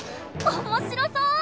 面白そう！